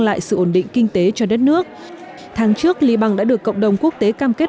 lượng khẳng định kinh tế cho đất nước tháng trước libang đã được cộng đồng quốc tế cam kết